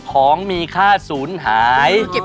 ของมีค่าศูนย์หาย